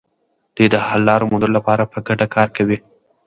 دوی د حل لارو موندلو لپاره په ګډه کار کوي.